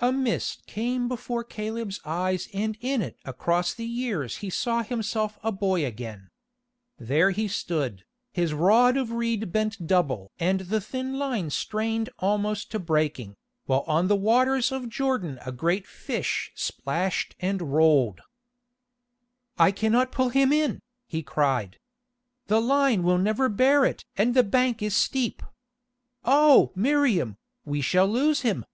A mist came before Caleb's eyes and in it across the years he saw himself a boy again. There he stood, his rod of reed bent double and the thin line strained almost to breaking, while on the waters of Jordan a great fish splashed and rolled. "I cannot pull him in," he cried. "The line will never bear it and the bank is steep. Oh! Miriam, we shall lose him!"